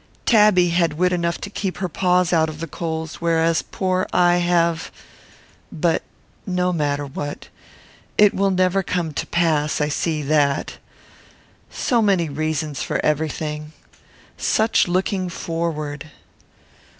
Tabby had wit enough to keep her paws out of the coals, whereas poor I have but no matter what. It will never come to pass, I see that. So many reasons for every thing! Such looking forward!